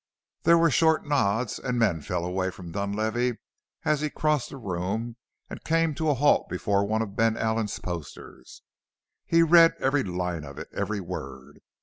There were short nods and men fell away from Dunlavey as he crossed the room and came to a halt before one of Ben Allen's posters. He read every line of it every word.